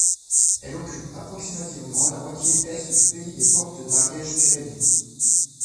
Elle occupe approximativement la moitié est du Pays des Portes d'Ariège-Pyrénées.